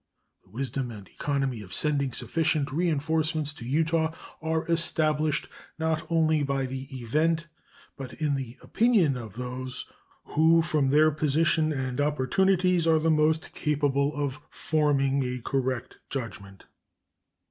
The wisdom and economy of sending sufficient reenforcements to Utah are established, not only by the event, but in the opinion of those who from their position and opportunities are the most capable of forming a correct judgment.